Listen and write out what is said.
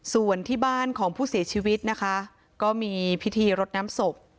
ส่วนที่บ้านของผู้เสียชีวิตนะคะก็มีพิธีรดน้ำศพ